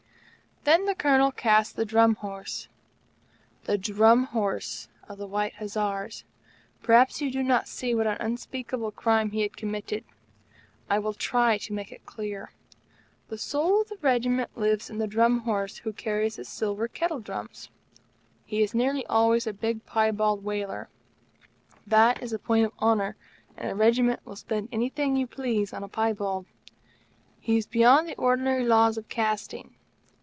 Then the Colonel cast the Drum Horse the Drum Horse of the White Hussars! Perhaps you do not see what an unspeakable crime he had committed. I will try to make it clear. The soul of the Regiment lives in the Drum Horse, who carries the silver kettle drums. He is nearly always a big piebald Waler. That is a point of honor; and a Regiment will spend anything you please on a piebald. He is beyond the ordinary laws of casting.